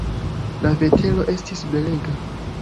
La vetero estis belega.